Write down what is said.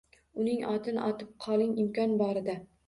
U, oting, otib qoling imkon borida.